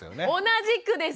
同じくです。